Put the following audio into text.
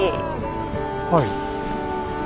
はい。